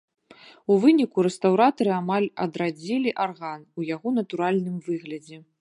У выніку рэстаўратары амаль адрадзілі арган у яго натуральным выглядзе.